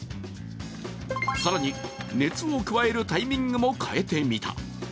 更に、熱を加えるタイミングも変えてみた。